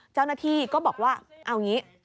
เจ้าหน้าที่ก็บอกว่าเอาอย่างนี้